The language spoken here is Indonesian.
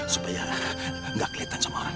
supaya gak keliatan sama orang